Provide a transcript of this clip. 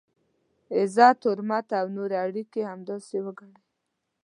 عزت، حرمت او نورې اړیکي همداسې وګڼئ.